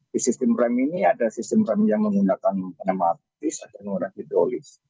di sistem rem ini ada sistem rem yang menggunakan rematis ada yang hidrolis